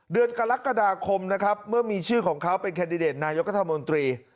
เดือนกรกฎาคมนะครับเมื่อมีชื่อของเขาเป็นแคนดิเดตนายกัธมนตรี